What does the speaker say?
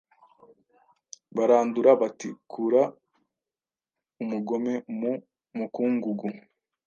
Barandura bati: "Kura umugome mu mukungugu,